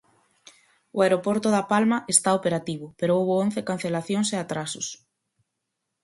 O aeroporto da Palma está operativo, pero houbo once cancelacións e atrasos.